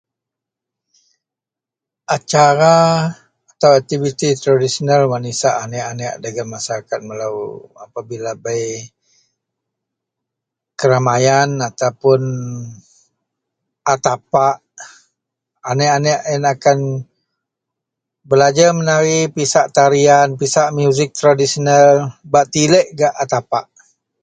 acara atau aktiviti tradisional wak nisak aneak-aneak dagen masyarak melou apabila bei keramaian ataupun a tapak, aneak-aneak ien akan belajar menari, pisak tarian, pisak musik tradisional bak tilek gak a tapak.